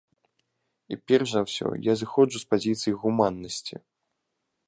І перш за ўсё, я зыходжу з пазіцыі гуманнасці.